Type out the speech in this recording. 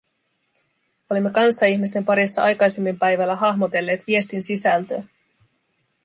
Olimme kanssaihmisten parissa aikaisemmin päivällä hahmotelleet viestin sisältöä.